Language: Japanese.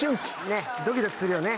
ねっドキドキするよね。